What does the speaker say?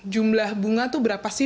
jumlah bunga itu berapa sih